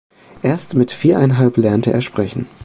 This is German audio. Erst mit viereinhalb lernte er sprechen.